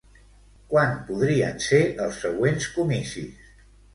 Quan podrien ser els següents comicis?